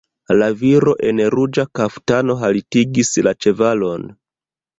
La viro en ruĝa kaftano haltigis la ĉevalon.